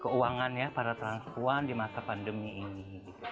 keuangan ya para transkuan di masa pandemi ini